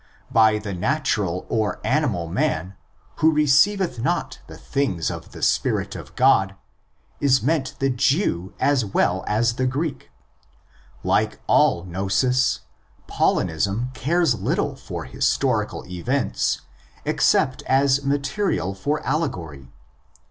By the natural or animal man (ψυχικὸς ἄνθρωπος), who ''receiveth not the things of the Spirit of God,' is meant the Jew as well as the Greek. Like all gnosis, Paulinism cares little for historical events except as material for allegory.